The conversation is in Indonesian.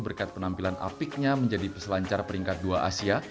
berkat penampilan apiknya menjadi peselancar peringkat dua asia